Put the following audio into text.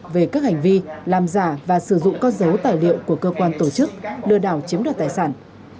về các hành vi làm giả và sử dụng con dấu tài liệu của cơ quan tổ chức lừa đảo chiếm đoạt tài sản